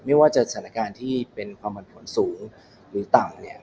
ไม่ว่าจะสถานการณ์ที่เป็นความผันผลสูงหรือต่ำเนี่ย